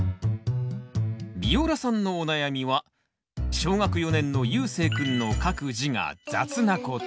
ビオラさんのお悩みは小学４年のゆうせいくんの書く字が雑なこと。